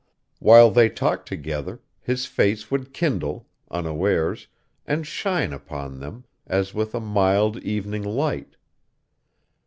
While they talked together, his face would kindle, unawares, and shine upon them, as with a mild evening light.